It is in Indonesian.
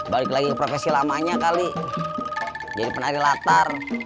balik lagi ke profesi lamanya kali jadi penari latar